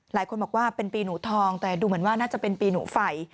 หลายคนบอกว่าเป็นปีหนูทองแต่ดูเหมือนว่าน่าจะเป็นปีหนูไฟ